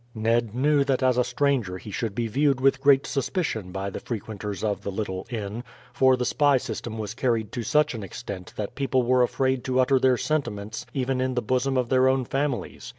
Ned knew that as a stranger he should be viewed with great suspicion by the frequenters of the little inn, for the spy system was carried to such an extent that people were afraid to utter their sentiments even in the bosom of their own families.